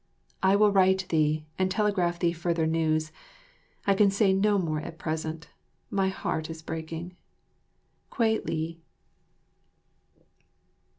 I will write thee and telegraph thee further news; I can say no more at present; my heart is breaking. Kwei li.